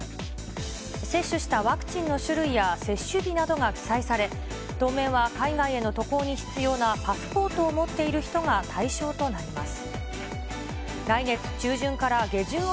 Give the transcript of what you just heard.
接種したワクチンの種類や接種日などが記載され、当面は海外への渡航に必要なパスポートを持っている人が対象となります。